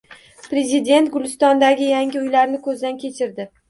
Prezident Gulistondagi yangi uylarni ko‘zdan kechirdi